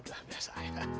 tahu udah biasa